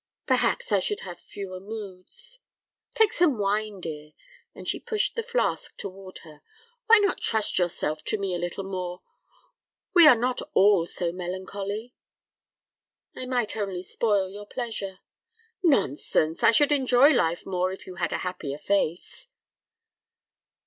"Perhaps I should have fewer moods—" "Take some wine, dear," and she pushed the flask toward her. "Why not trust yourself to me a little more? We are not all so melancholy." "I might only spoil your pleasure." "Nonsense. I should enjoy life more if you had a happier face."